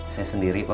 saya sendiri pak